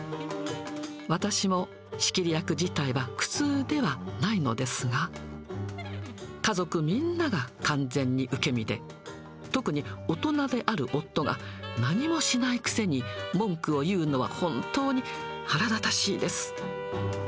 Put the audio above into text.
私も仕切り役自体は苦痛ではないのですが、家族みんなが完全に受け身で、特に大人である夫が、何もしないくせに文句を言うのは本当に腹立たしいです。